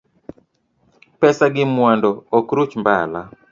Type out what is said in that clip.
Pesa gi mwandu ok ruch mbala.